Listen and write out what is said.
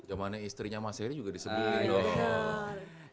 zamannya istrinya mas heri juga di sebelah